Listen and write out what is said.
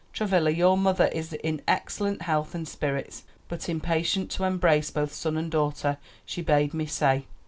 "Travilla, your mother is in excellent health and spirits; but impatient to embrace both son and daughter, she bade me say.